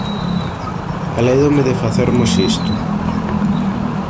Alédome de facermos isto.